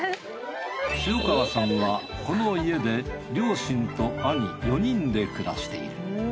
塩川さんはこの家で両親と兄４人で暮らしている。